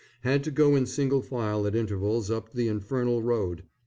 Had to go in single file at intervals up the infernal road.